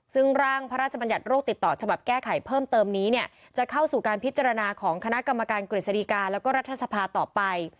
ซึ่งร่างพระราชบัญญัติโรคติดต่อฉบับแก้ไขเพิ่มเติมนี้เนี่ยจะเข้าสู่การพิจารณาของคณะกรรมการกฤษฎีกาแล้วก็รัฐสภาต่อไป